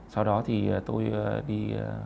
sau đó thì tôi đi